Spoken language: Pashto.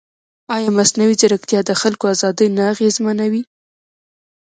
ایا مصنوعي ځیرکتیا د خلکو ازادي نه اغېزمنوي؟